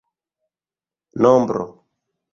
nombro